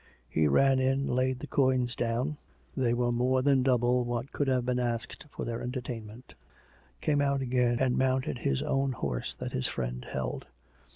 Hd ran in, laid the coins down (they were more than double what could have been asked for their entertainment), came out again, and mounted his own horse that his friend held.